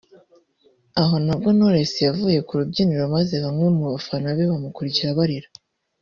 aho nabwo Knowless yavuye ku rubyiniro maze bamwe mu bafana be bamukurikira barira